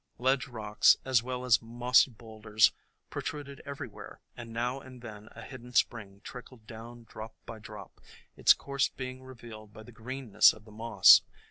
Ledge rocks as well as mossy boulders protruded everywhere, and now and then a hidden spring trickled down drop by drop, its course being revealed by the greenness of the moss.